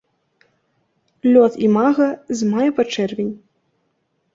Лёт імага з мая па чэрвень.